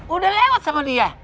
udah lewat sama dia